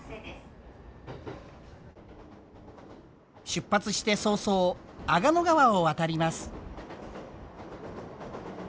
出発して早々阿賀野川を渡ります。